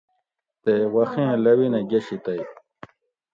تے وخی لوینہ گۤشی تے